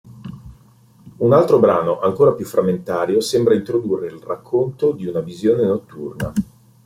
Un altro brano, ancora più frammentario, sembra introdurre il racconto di una visione notturna.